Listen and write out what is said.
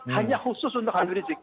hanya khusus untuk api pelicik